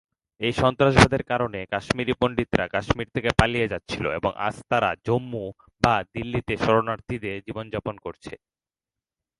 এই সন্ত্রাসবাদের কারণে, কাশ্মীরি পণ্ডিতরা কাশ্মীর থেকে পালিয়ে যাচ্ছিল, এবং আজ তারা জম্মু বা দিল্লিতে শরণার্থীদের জীবনযাপন করছে।